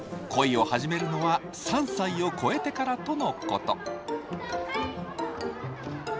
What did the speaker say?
恋を始めるのは３歳を超えてからとのこと。